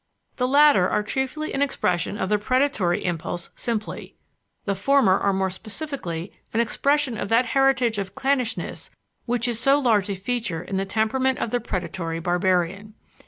The latter are chiefly an expression of the predatory impulse simply; the former are more specifically an expression of that heritage of clannishness which is so large a feature in the temperament of the predatory barbarian.